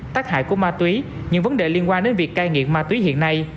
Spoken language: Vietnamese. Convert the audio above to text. tác hại của ma túy những vấn đề liên quan đến việc cai nghiện ma túy hiện nay